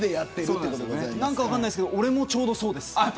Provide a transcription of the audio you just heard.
何か分からないですけど俺も、ちょうどそうです。